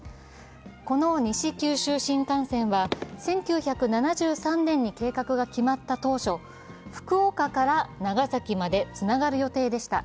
この西九州新幹線は１９７３年に計画が決まった当初、福岡から長崎までつながる予定でした。